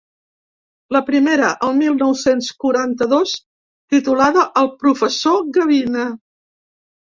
La primera, el mil nou-cents quaranta-dos, titulada El professor gavina.